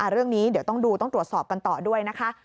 เรื่องนี้เดี๋ยวต้องดูต้องตรวจสอบกันต่อด้วยนะคะ